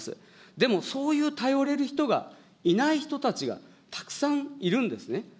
でも、そういう頼れる人がいない人たちがたくさんいるんですね。